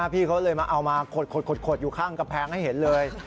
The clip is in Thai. พี่เขาเลยมาเอามาขดอยู่ข้างกำแพงให้เห็นเลย